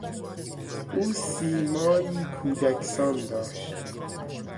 او سیمایی کودکسان داشت.